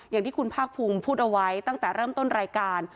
อย่างที่คุณภาคภูมิพูดเอาไว้ตั้งแต่เริ่มต้นรายการ